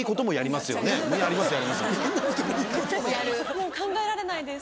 もう考えられないです